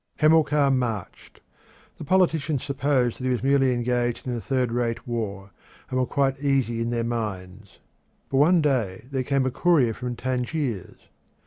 Hamilcar marched. The politicians supposed that he was merely engaged in a third rate war, and were quite easy in their minds. But one day there came a courier from Tangiers.